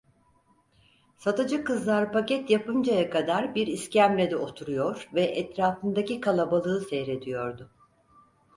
Satıcı kızlar paket yapıncaya kadar bir iskemlede oturuyor ve etrafındaki kalabalığı seyrediyordu.